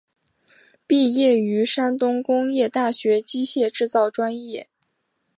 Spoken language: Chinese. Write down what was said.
毕业于山东工业大学机械制造专业。